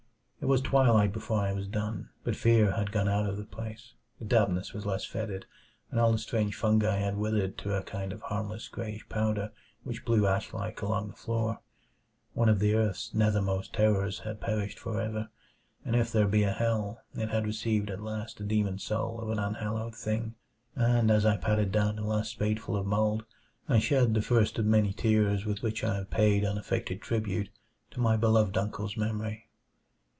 It was twilight before I was done, but fear had gone out of the place. The dampness was less fetid, and all the strange fungi had withered to a kind of harmless grayish powder which blew ash like along the floor. One of earth's nethermost terrors had perished for ever; and if there be a hell, it had received at last the demon soul of an unhallowed thing. And as I patted down the last spadeful of mold, I shed the first of the many tears with which I have paid unaffected tribute to my beloved uncle's memory.